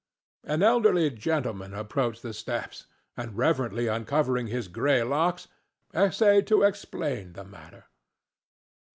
An elderly man approached the steps, and, reverently uncovering his gray locks, essayed to explain the matter.